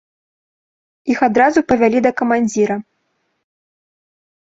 Іх адразу павялі да камандзіра.